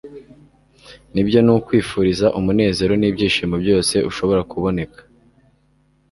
nibyo nukwifuriza umunezero nibyishimo byose ushobora kuboneka